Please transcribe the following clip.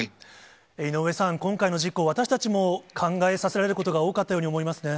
井上さん、今回の事故、私たちも考えさせられることが多かったように思いますね。